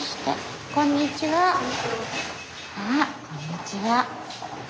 あこんにちは。